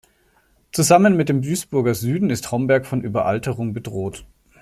Zusammen mit dem Duisburger Süden ist Homberg von Überalterung bedroht.